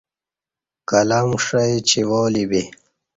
قلم ݜی چیوالی بی